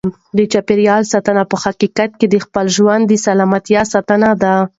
د چاپیریال ساتنه په حقیقت کې د خپل ژوند د سلامتیا ساتنه ده.